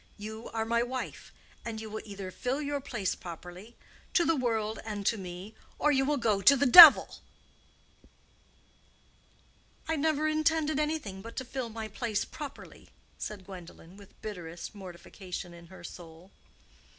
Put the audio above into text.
You are my wife. And you will either fill your place properly—to the world and to me—or you will go to the devil." "I never intended anything but to fill my place properly," said Gwendolen, with bitterest mortification in her soul.